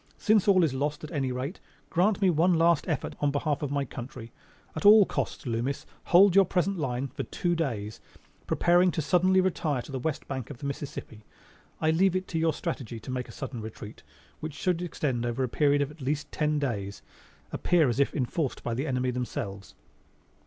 Since all is lost at any rate, grant me one last effort in behalf of my country. At all costs, Loomis, hold your present lines for two days, preparing to suddenly retire to the west bank of the Mississippi. I leave it to your strategy to make a sudden retreat (which should extend over a period of at least ten days) appear as if enforced by the enemy themselves."